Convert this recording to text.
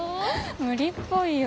無理っぽいよ。